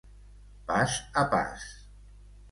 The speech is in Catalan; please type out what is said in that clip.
Pas a pas.